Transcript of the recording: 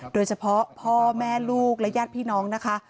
โดยเฉพาะพ่อแม่ลูกและญาติพี่น้องนะคะ